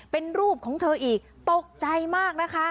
เป็นรูปของเธออีกตกใจมากนะคะ